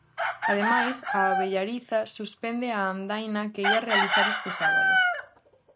Ademais, a abellariza suspende a andaina que ía realizar este sábado.